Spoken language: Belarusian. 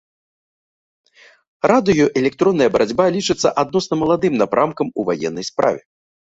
Радыёэлектронная барацьба лічыцца адносна маладым напрамкам у ваеннай справе.